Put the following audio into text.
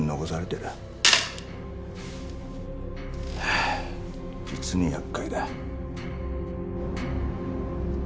あ実に厄介だ。